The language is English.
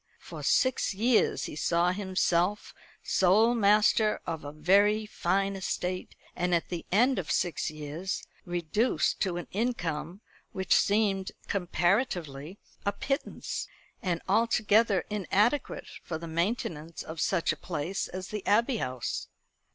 For six years he saw himself sole master of a very fine estate, and at the end of six years reduced to an income which seemed, comparatively, a pittance, and altogether inadequate for the maintenance of such a place as the Abbey House.